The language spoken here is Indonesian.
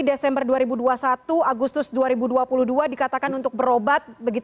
desember dua ribu dua puluh satu agustus dua ribu dua puluh dua dikatakan untuk berobat